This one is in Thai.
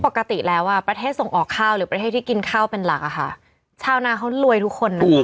ปกติแล้วอ่ะประเทศส่งออกข้าวหรือประเทศที่กินข้าวเป็นหลักอะค่ะชาวนาเขารวยทุกคนนะคะ